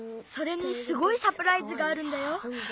それにすごいサプライズがあるんだよ。